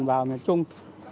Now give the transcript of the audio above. vào miền trung